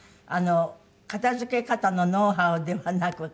片付け方のノウハウではなく考え方である。